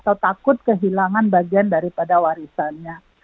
atau takut kehilangan bagian daripada warisannya